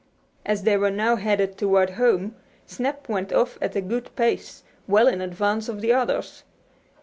As they were now headed toward home "Snap" went off at a good pace, well in advance of the others.